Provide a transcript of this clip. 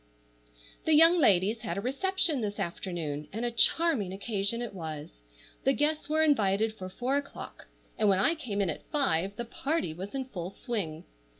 THE young ladies had a reception this afternoon, and a charming occasion it was. The guests were invited for four o'clock, and when I came in at five the party was in full swing.